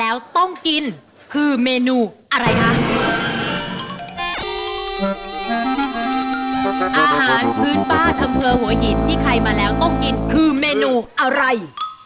อันนี้ดีกว่าอร่อยดีแบบนี้นะครับ